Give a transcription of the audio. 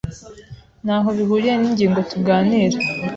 Ntaho bihuriye ningingo tuganira.